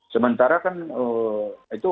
sementara kan itu